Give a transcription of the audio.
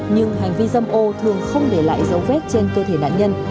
nhưng hành vi dâm ô thường không để lại dấu vết trên cơ thể nạn nhân